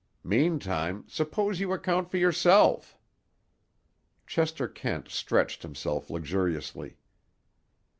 Meantime, suppose you account for yourself." Chester Kent stretched himself luxuriously.